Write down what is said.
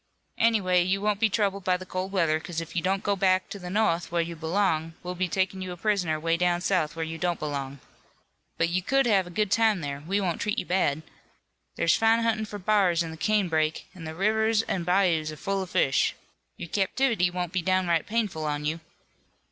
"Anyway, you won't be troubled by the cold weather 'cause if you don't go back into the no'th where you belong, we'll be takin' you a prisoner way down south, where you don't belong. But you could have a good time there. We won't treat you bad. There's fine huntin' for b'ars in the canebrake an' the rivers an' bayous are full of fish. Your captivity won't be downright painful on you."